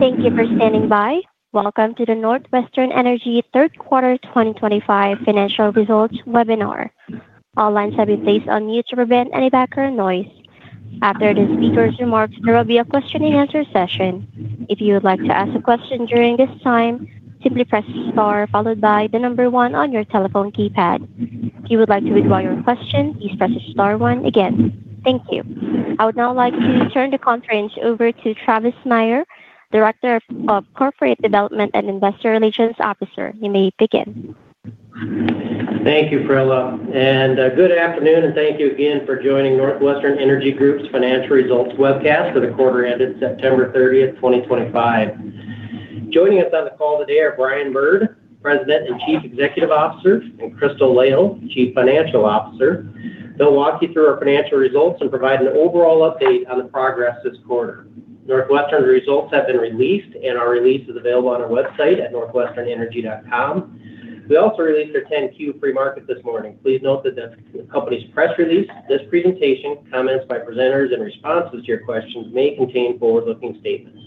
Thank you for standing by. Welcome to the NorthWestern Energy Group third quarter 2025 financial results webinar. All lines have been placed on mute to prevent any background noise. After the speaker's remarks, there will be a question-and-answer session. If you would like to ask a question during this time, simply press the star followed by the number one on your telephone keypad. If you would like to withdraw your question, please press the star one again. Thank you. I would now like to turn the conference over to Travis Meyer, Director of Corporate Development and Investor Relations. You may begin. Thank you, Priscilla. Good afternoon, and thank you again for joining NorthWestern Energy Group's financial results webcast for the quarter ended September 30th, 2025. Joining us on the call today are Brian Bird, President and Chief Executive Officer, and Crystal Lail, Chief Financial Officer. They'll walk you through our financial results and provide an overall update on the progress this quarter. NorthWestern's results have been released, and our release is available on our website at northwesternenergy.com. We also released our 10Q pre-market this morning. Please note that that's the company's press release. This presentation, comments by presenters, and responses to your questions may contain forward-looking statements.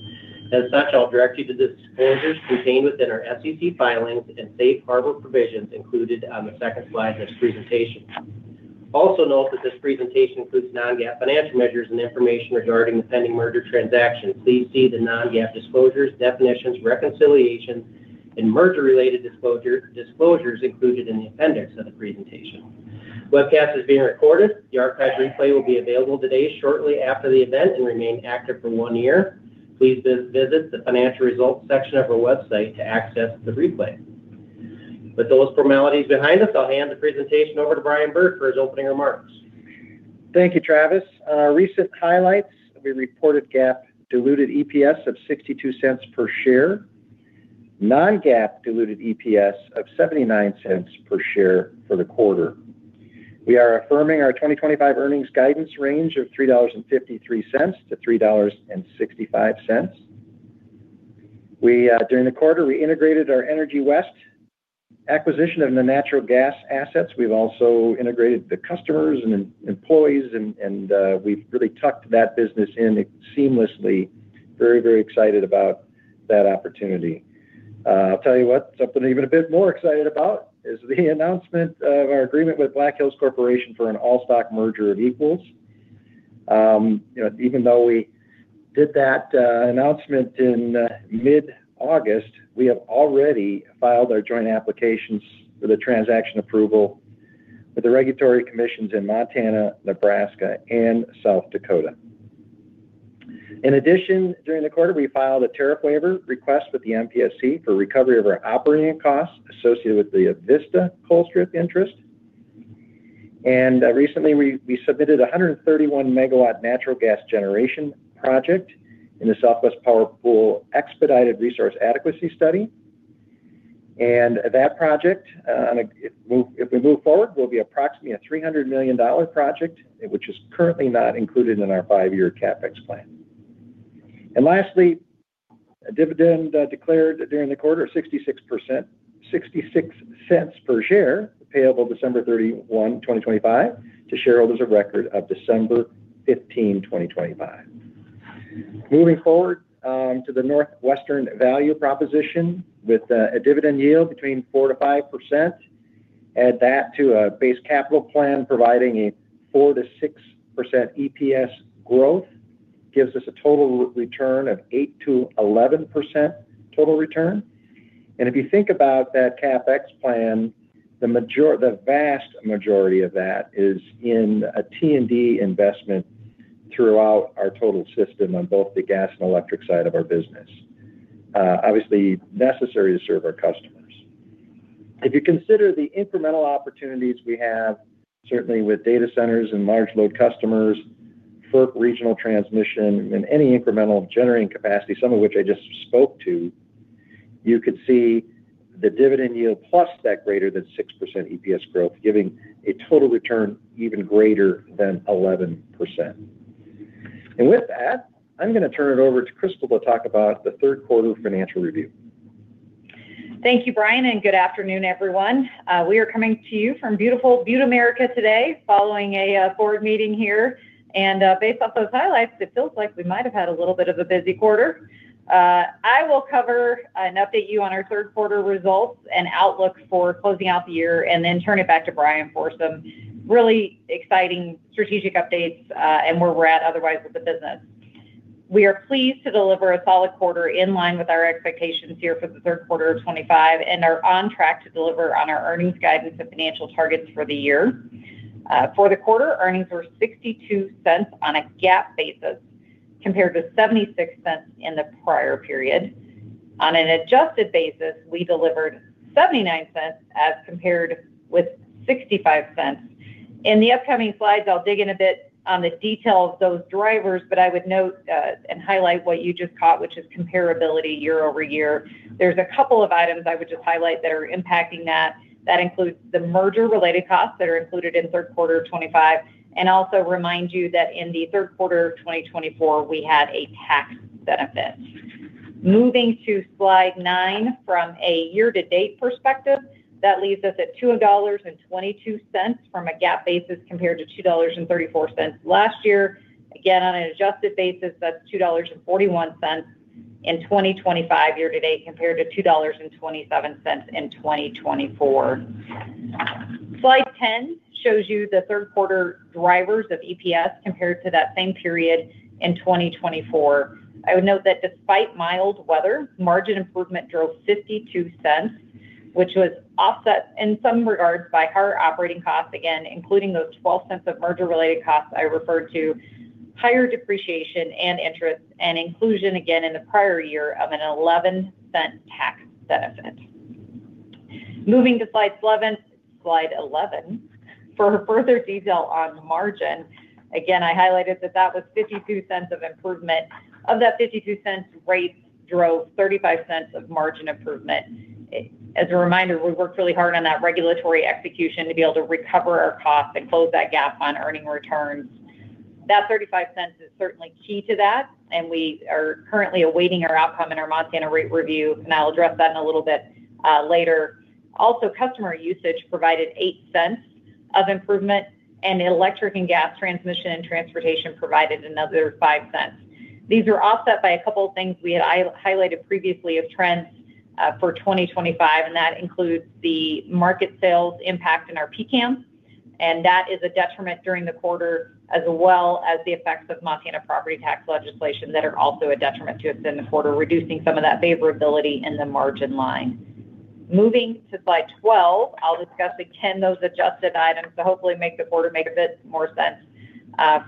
As such, I'll direct you to the disclosures contained within our SEC filings and safe harbor provisions included on the second slide of this presentation. Also note that this presentation includes non-GAAP financial measures and information regarding the pending merger transaction. Please see the non-GAAP disclosures, definitions, reconciliation, and merger-related disclosures included in the appendix of the presentation. The webcast is being recorded. The archived replay will be available today shortly after the event and remain active for one year. Please visit the financial results section of our website to access the replay. With those formalities behind us, I'll hand the presentation over to Brian Bird for his opening remarks. Thank you, Travis. On our recent highlights, we reported GAAP diluted EPS of $0.62 per share, non-GAAP diluted EPS of $0.79 per share for the quarter. We are affirming our 2025 earnings guidance range of $3.53-$3.65. During the quarter, we integrated our Energy West acquisition of the natural gas assets. We've also integrated the customers and employees, and we've really tucked that business in seamlessly. Very, very excited about that opportunity. I'll tell you what, something even a bit more excited about is the announcement of our agreement with Black Hills Corporation for an all-stock merger of equals. Even though we did that announcement in mid-August, we have already filed our joint applications for the transaction approval with the regulatory commissions in Montana, Nebraska, and South Dakota. In addition, during the quarter, we filed a tariff waiver request with the Montana Public Service Commission for recovery of our operating costs associated with the Avista Colstrip interest. Recently, we submitted a 131 MW natural gas generation project in the Southwest Power Pool Expedited Resource Adequacy Study. That project, if we move forward, will be approximately a $300 million project, which is currently not included in our five-year CapEx plan. Lastly, a dividend declared during the quarter of $0.66 per share, payable December 31st, 2025, to shareholders of record of December 15th, 2025. Moving forward to the NorthWestern value proposition with a dividend yield between 4%-5%. Add that to a base capital plan providing a 4%-6% EPS growth gives us a total return of 8%-11% total return. If you think about that CapEx plan, the vast majority of that is in a T&D investment throughout our total system on both the gas and electric side of our business, obviously necessary to serve our customers. If you consider the incremental opportunities we have, certainly with data centers and large load customers, FERC regional transmission, and any incremental generating capacity, some of which I just spoke to, you could see the dividend yield plus that greater than 6% EPS growth, giving a total return even greater than 11%. With that, I'm going to turn it over to Crystal to talk about the third quarter financial review. Thank you, Brian, and good afternoon, everyone. We are coming to you from beautiful Butte, America today, following a board meeting here. Based off those highlights, it feels like we might have had a little bit of a busy quarter. I will cover and update you on our third quarter results and outlook for closing out the year, and then turn it back to Brian for some really exciting strategic updates and where we're at otherwise with the business. We are pleased to deliver a solid quarter in line with our expectations here for the third quarter of 2025 and are on track to deliver on our earnings guidance and financial targets for the year. For the quarter, earnings were $0.62 on a GAAP basis compared to $0.76 in the prior period. On an adjusted basis, we delivered $0.79 as compared with $0.65. In the upcoming slides, I'll dig in a bit on the detail of those drivers, but I would note and highlight what you just caught, which is comparability year over year. There are a couple of items I would just highlight that are impacting that. That includes the merger-related costs that are included in third quarter of 2025, and also remind you that in the third quarter of 2024, we had a tax benefit. Moving to slide nine from a year-to-date perspective, that leaves us at $2.22 from a GAAP basis compared to $2.34 last year. Again, on an adjusted basis, that's $2.41 in 2025 year-to-date compared to $2.27 in 2024. Slide 10 shows you the third quarter drivers of EPS compared to that same period in 2024. I would note that despite mild weather, margin improvement drove $0.52, which was offset in some regards by our operating costs, including those $0.12 of merger-related costs I referred to, higher depreciation and interest, and inclusion again in the prior year of an $0.11 tax benefit. Moving to slide 11. For further detail on margin, I highlighted that that was $0.52 of improvement. Of that $0.52, rate drove $0.35 of margin improvement. As a reminder, we worked really hard on that regulatory execution to be able to recover our costs and close that gap on earning returns. That $0.35 is certainly key to that, and we are currently awaiting our outcome in our Montana rate review, and I'll address that a little bit later. Also, customer usage provided $0.08 of improvement, and electric and gas transmission and transportation provided another $0.05. These were offset by a couple of things we had highlighted previously of trends for 2025, and that includes the market sales impact in our PCAM, and that is a detriment during the quarter, as well as the effects of Montana property tax legislation that are also a detriment to us in the quarter, reducing some of that favorability in the margin line. Moving to slide 12, I'll discuss again those adjusted items to hopefully make the quarter make a bit more sense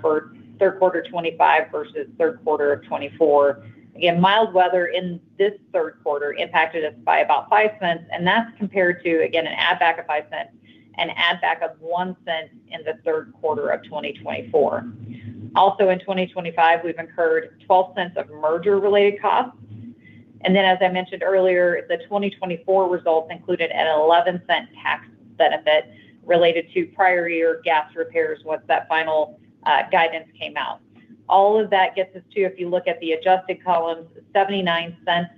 for third quarter 2025 versus third quarter of 2024. Again, mild weather in this third quarter impacted us by about $0.05, and that's compared to, again, an add-back of $0.05, an add-back of $0.01 in the third quarter of 2024. Also, in 2025, we've incurred $0.12 of merger-related costs. As I mentioned earlier, the 2024 results included an $0.11 tax benefit related to prior year gas repairs once that final guidance came out. All of that gets us to, if you look at the adjusted columns, $0.79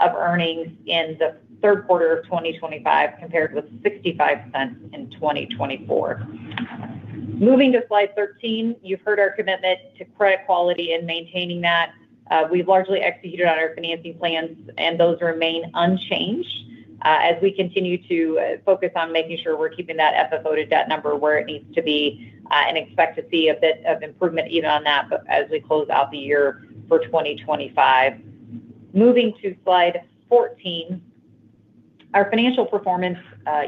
of earnings in the third quarter of 2025 compared with $0.65 in 2024. Moving to slide 13, you've heard our commitment to credit quality and maintaining that. We've largely executed on our financing plans, and those remain unchanged as we continue to focus on making sure we're keeping that FFO to debt number where it needs to be and expect to see a bit of improvement even on that as we close out the year for 2025. Moving to slide 14. Our financial performance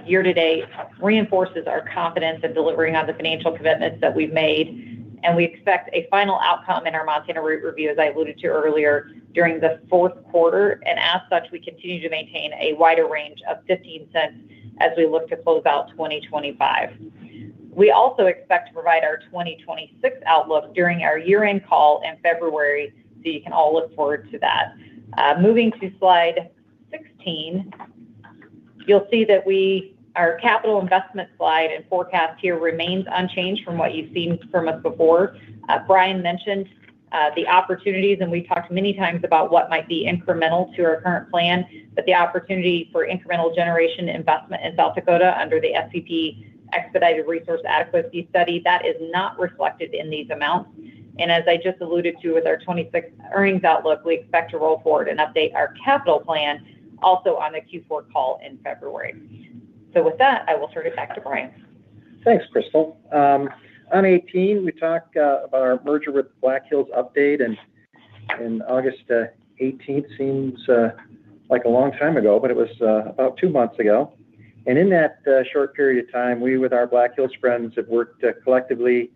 year-to-date reinforces our confidence in delivering on the financial commitments that we've made, and we expect a final outcome in our Montana rate review, as I alluded to earlier, during the fourth quarter. As such, we continue to maintain a wider range of $0.15 as we look to close out 2025. We also expect to provide our 2026 outlook during our year-end call in February, so you can all look forward to that. Moving to slide 16. You'll see that our capital investment slide and forecast here remains unchanged from what you've seen from us before. Brian mentioned the opportunities, and we talked many times about what might be incremental to our current plan, but the opportunity for incremental generation investment in South Dakota under the SEP Expedited Resource Adequacy Study, that is not reflected in these amounts. As I just alluded to with our 2026 earnings outlook, we expect to roll forward and update our capital plan also on the Q4 call in February. With that, I will turn it back to Brian. Thanks, Crystal. On 18, we talked about our merger with Black Hills update. August 18th seems like a long time ago, but it was about two months ago. In that short period of time, we with our Black Hills friends have worked collectively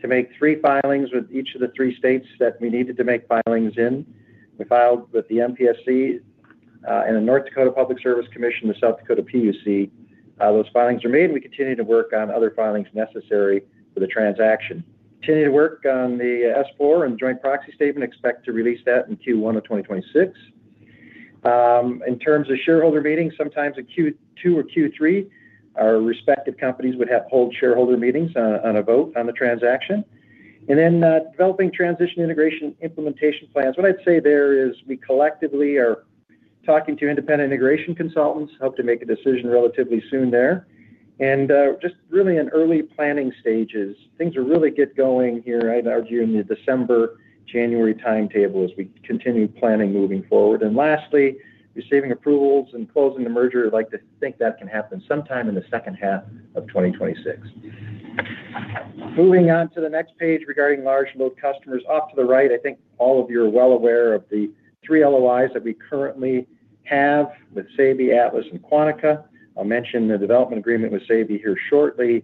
to make three filings with each of the three states that we needed to make filings in. We filed with the Montana Public Service Commission, the North Dakota Public Service Commission, and the South Dakota PUC. Those filings were made, and we continue to work on other filings necessary for the transaction. We continue to work on the S4 and joint proxy statement, expect to release that in Q1 of 2026. In terms of shareholder meetings, sometime in Q2 or Q3, our respective companies would hold shareholder meetings on a vote on the transaction. We are developing transition integration implementation plans. What I'd say there is we collectively are talking to independent integration consultants, hope to make a decision relatively soon there. We are really in early planning stages, things are really getting going here, I'd argue, in the December, January timetable as we continue planning moving forward. Lastly, receiving approvals and closing the merger, I'd like to think that can happen sometime in the second half of 2026. Moving on to the next page regarding large load customers off to the right, I think all of you are well aware of the three LOIs that we currently have with SABY, Atlas, and Quantica. I'll mention the development agreement with SABY here shortly.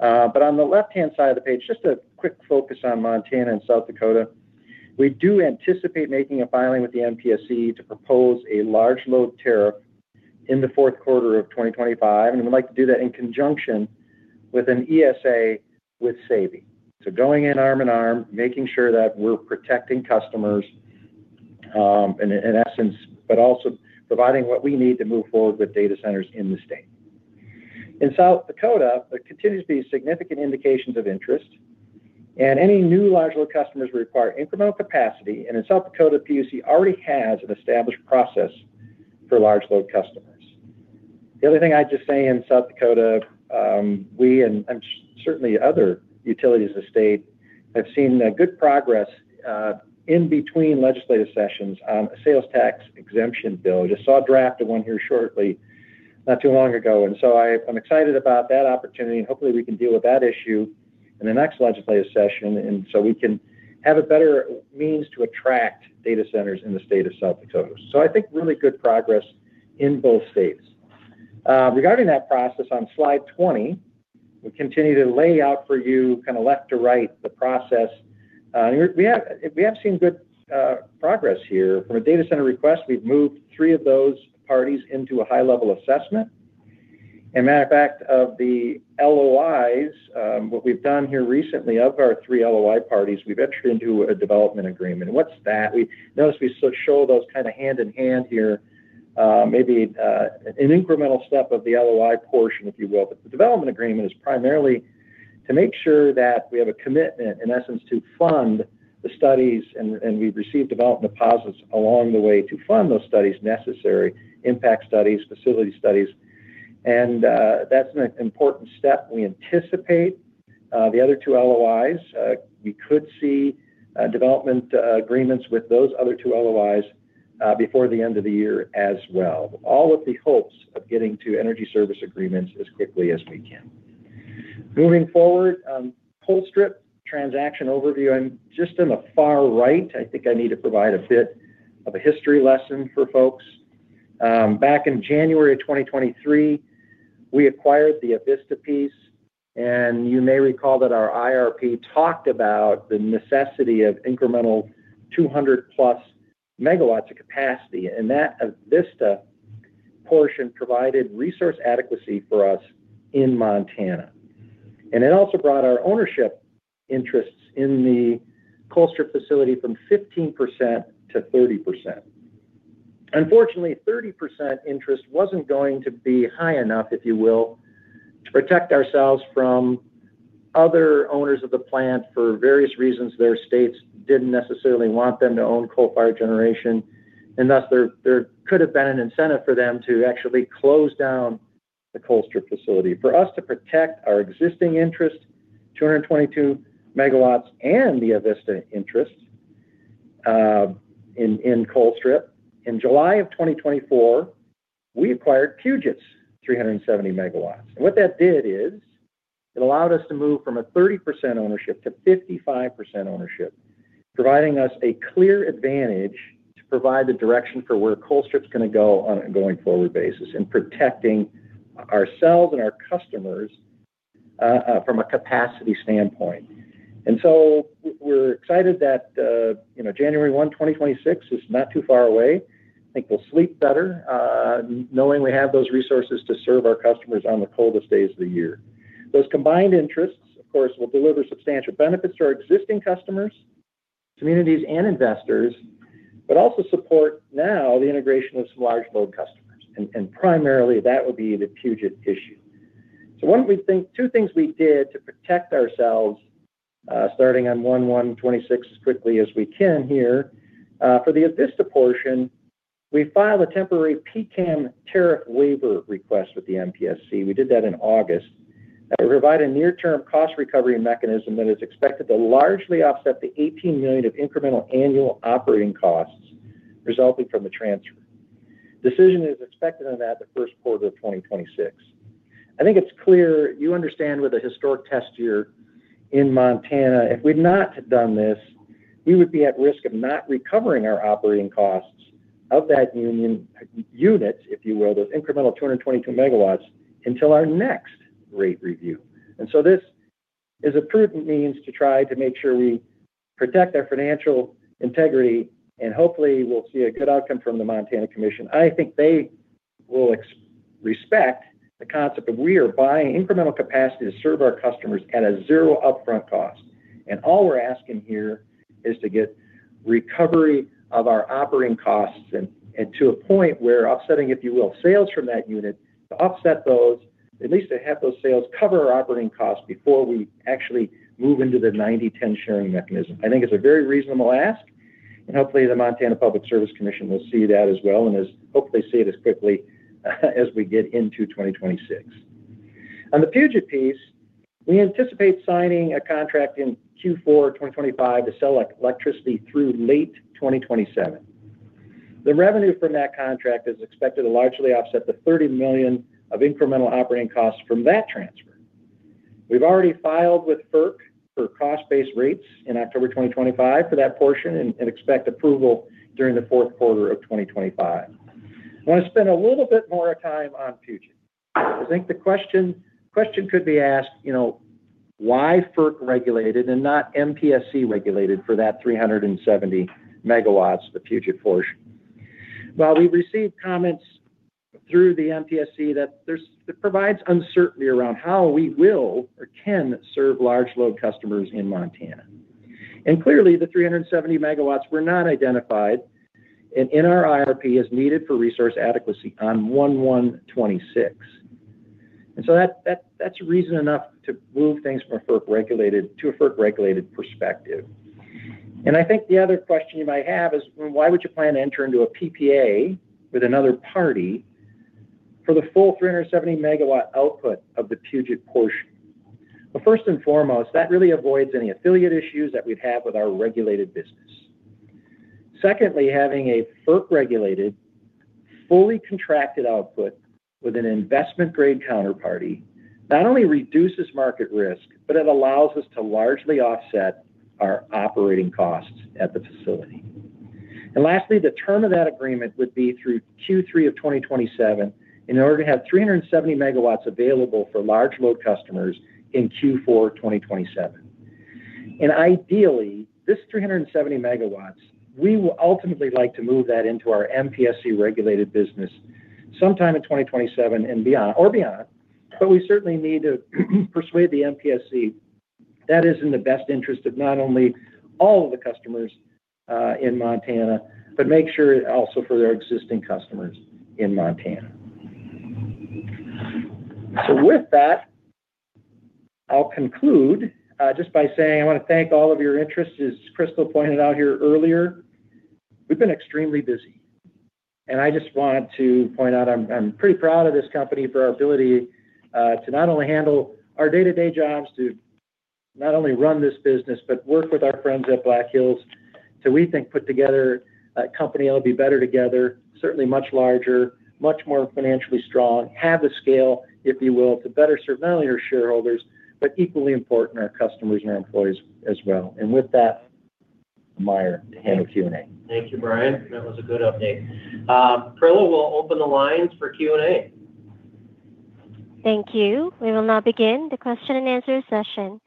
On the left-hand side of the page, just a quick focus on Montana and South Dakota. We do anticipate making a filing with the Montana Public Service Commission to propose a large load tariff in the fourth quarter of 2025, and we'd like to do that in conjunction with an ESA with SABY. Going in arm in arm, making sure that we're protecting customers in essence, but also providing what we need to move forward with data centers in the state. In South Dakota, there continues to be significant indications of interest. Any new large load customers require incremental capacity, and in South Dakota, PUC already has an established process for large load customers. The other thing I'd just say in South Dakota, we and certainly other utilities of the state have seen good progress in between legislative sessions on a sales tax exemption bill. I just saw a draft of one here shortly not too long ago, and I'm excited about that opportunity. Hopefully we can deal with that issue in the next legislative session so we can have a better means to attract data centers in the state of South Dakota. I think really good progress in both states. Regarding that process on slide 20, we continue to lay out for you kind of left to right the process. We have seen good progress here. From a data center request, we've moved three of those parties into a high-level assessment. As a matter of fact, of the LOIs, what we've done here recently, of our three LOI parties, we've entered into a development agreement. What's that? We notice we show those kind of hand in hand here, maybe. An incremental step of the LOI portion, if you will. The development agreement is primarily to make sure that we have a commitment, in essence, to fund the studies, and we've received development deposits along the way to fund those studies necessary, impact studies, facility studies. That's an important step we anticipate. The other two LOIs, we could see development agreements with those other two LOIs before the end of the year as well, all with the hopes of getting to energy service agreements as quickly as we can. Moving forward. Colstrip transaction overview. I'm just in the far right. I think I need to provide a bit of a history lesson for folks. Back in January 2023, we acquired the Avista piece, and you may recall that our IRP talked about the necessity of incremental 200-plus megawatts of capacity. That Avista portion provided resource adequacy for us in Montana, and it also brought our ownership interests in the Colstrip generating facility from 15%-30%. Unfortunately, 30% interest wasn't going to be high enough, if you will, to protect ourselves from other owners of the plant. For various reasons, their states didn't necessarily want them to own coal-fired generation, and thus there could have been an incentive for them to actually close down the Colstrip generating facility. For us to protect our existing interest, 222 megawatts and the Avista interest in Colstrip, in July of 2024, we acquired Puget's 370 megawatts. What that did is it allowed us to move from a 30% ownership to 55% ownership, providing us a clear advantage to provide the direction for where Colstrip's going to go on a going forward basis and protecting ourselves and our customers from a capacity standpoint. We're excited that. January 1, 2026 is not too far away. I think we'll sleep better knowing we have those resources to serve our customers on the coldest days of the year. Those combined interests, of course, will deliver substantial benefits to our existing customers, communities, and investors, but also support now the integration of some large load customers. Primarily, that would be the Quantica issue. Two things we did to protect ourselves. Starting on 1/1/2026 as quickly as we can here. For the Avista portion, we filed a temporary PCAM tariff waiver request with the Montana Public Service Commission. We did that in August. That would provide a near-term cost recovery mechanism that is expected to largely offset the $18 million of incremental annual operating costs resulting from the transfer. Decision is expected on that the first quarter of 2026. I think it's clear you understand with a historic test year in Montana, if we'd not have done this, we would be at risk of not recovering our operating costs of that unit, if you will, those incremental 222 megawatts until our next rate review. This is a prudent means to try to make sure we protect our financial integrity, and hopefully, we'll see a good outcome from the Montana Commission. I think they will respect the concept of we are buying incremental capacity to serve our customers at a zero upfront cost. All we're asking here is to get recovery of our operating costs and to a point where offsetting, if you will, sales from that unit to offset those, at least to have those sales cover our operating costs before we actually move into the 90/10 sharing mechanism. I think it's a very reasonable ask, and hopefully, the Montana Public Service Commission will see that as well and hopefully see it as quickly as we get into 2026. On the Puget piece, we anticipate signing a contract in Q4 2025 to sell electricity through late 2027. The revenue from that contract is expected to largely offset the $30 million of incremental operating costs from that transfer. We've already filed with FERC for cost-based rates in October 2025 for that portion and expect approval during the fourth quarter of 2025. I want to spend a little bit more time on Puget. I think the question could be asked. Why FERC regulated and not Montana Public Service Commission regulated for that 370 MW, the Puget portion? We've received comments through the Montana Public Service Commission that it provides uncertainty around how we will or can serve large load customers in Montana. Clearly, the 370 MW were not identified in our IRP as needed for resource adequacy on 1/1/2026. That's reason enough to move things from a FERC regulated to a FERC regulated perspective. I think the other question you might have is, why would you plan to enter into a PPA with another party for the full 370 MW output of the Puget portion? First and foremost, that really avoids any affiliate issues that we'd have with our regulated business. Secondly, having a FERC regulated, fully contracted output with an investment-grade counterparty not only reduces market risk, but it allows us to largely offset our operating costs at the facility. Lastly, the term of that agreement would be through Q3 2027 in order to have 370 megawatts available for large load customers in Q4 2027. Ideally, this 370 megawatts, we will ultimately like to move that into our Montana Public Service Commission regulated business sometime in 2027 or beyond. We certainly need to persuade the Montana Public Service Commission that is in the best interest of not only all of the customers in Montana, but make sure also for their existing customers in Montana. With that, I'll conclude just by saying I want to thank all of your interest. As Crystal Lail pointed out here earlier, we've been extremely busy. I just want to point out I'm pretty proud of this company for our ability to not only handle our day-to-day jobs, to not only run this business, but work with our friends at Black Hills Corporation to, we think, put together a company that'll be better together, certainly much larger, much more financially strong, have the scale, if you will, to better serve not only our shareholders, but equally importantly, our customers and our employees as well. With that, admire to handle Q&A. Thank you, Brian. That was a good update. Perlo will open the lines for Q&A. Thank you. We will now begin the question and answer session.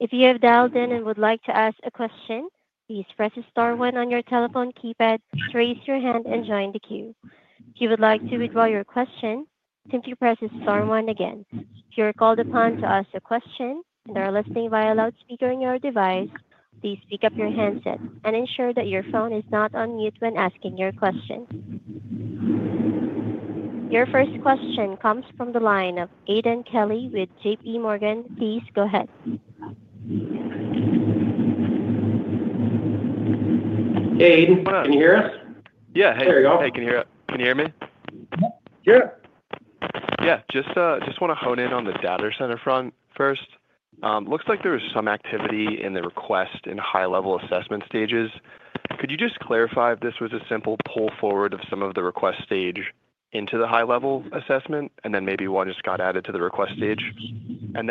If you have dialed in and would like to ask a question, please press the star one on your telephone keypad, raise your hand, and join the queue. If you would like to withdraw your question, simply press the star one again. If you are called upon to ask a question and are listening via loudspeaker in your device, please pick up your handset and ensure that your phone is not on mute when asking your question. Your first question comes from the line of Aidan Charles Kelly with JP Morgan. Please go ahead. Aidan, can you hear us? Hey, there you go. Hey, can you hear me? Yeah. Yeah. Just want to hone in on the data center front first. Looks like there was some activity in the request in high-level assessment stages. Could you just clarify if this was a simple pull forward of some of the request stage into the high-level assessment, and then maybe one just got added to the request stage? On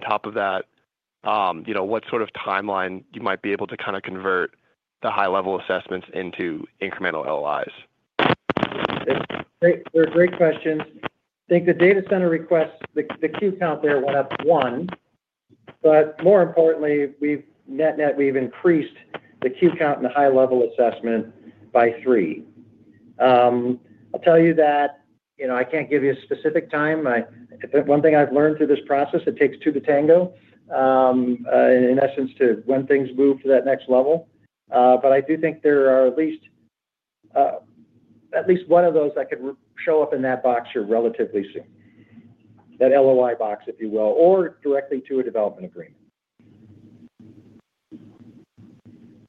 top of that, what sort of timeline you might be able to kind of convert the high-level assessments into incremental LOIs? They're great questions. I think the data center request, the queue count there went up one. More importantly, net, net, we've increased the queue count in the high-level assessment by three. I can't give you a specific time. One thing I've learned through this process, it takes two to tango, in essence, when things move to that next level. I do think there are at least one of those that could show up in that box here relatively soon, that LOI box, if you will, or directly to a development agreement.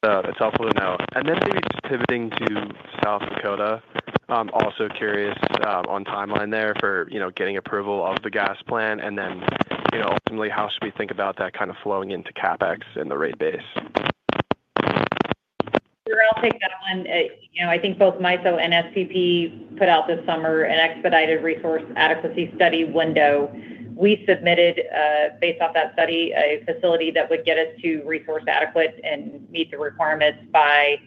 That's helpful to know. Maybe just pivoting to South Dakota, also curious on timeline there for getting approval of the gas plan, and then ultimately, how should we think about that kind of flowing into CapEx and the rate base? I'll take that one. I think both MISO and Southwest Power Pool put out this summer an expedited resource adequacy study window. We submitted, based off that study, a facility that would get us to resource adequate and meet the requirements by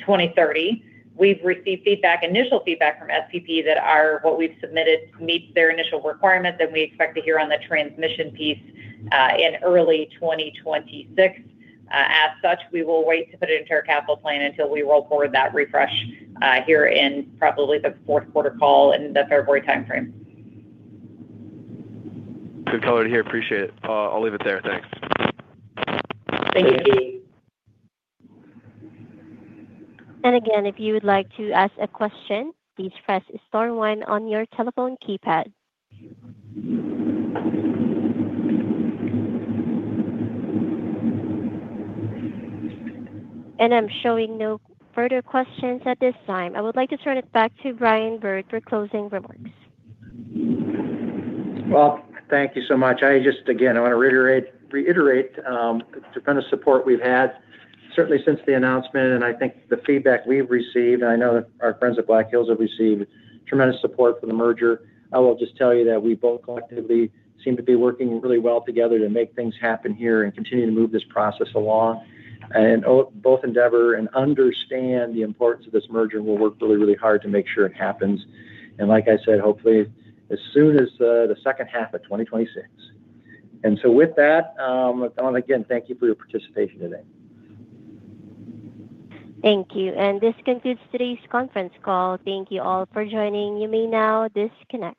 2030. We've received initial feedback from Southwest Power Pool that what we've submitted meets their initial requirements, and we expect to hear on the transmission piece in early 2026. As such, we will wait to put it into our capital plan until we roll forward that refresh here in probably the fourth quarter call in the February timeframe. Good color to hear. Appreciate it. I'll leave it there. Thanks. If you would like to ask a question, please press star one on your telephone keypad. I'm showing no further questions at this time. I would like to turn it back to Brian Bird for closing remarks. Thank you so much. Again, I want to reiterate the tremendous support we've had, certainly since the announcement, and I think the feedback we've received, and I know that our friends at Black Hills have received tremendous support for the merger. I will just tell you that we both collectively seem to be working really well together to make things happen here and continue to move this process along. We both endeavor and understand the importance of this merger and will work really, really hard to make sure it happens. Like I said, hopefully, as soon as the second half of 2026. With that, I want to again thank you for your participation today. Thank you. This concludes today's conference call. Thank you all for joining. You may now disconnect.